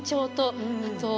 あと